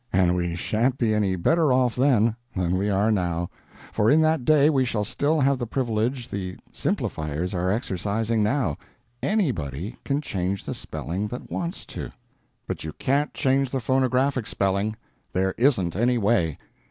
And we sha'n't be any better off then than we are now; for in that day we shall still have the privilege the Simplifiers are exercising now: _anybody _can change the spelling that wants to. _But you can't change the phonographic spelling; there isn't any way.